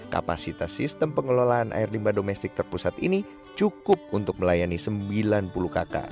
kapasitas sistem pengelolaan air limba domestik terpusat ini cukup untuk melayani sembilan puluh kakak